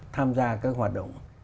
tham gia các hoạt động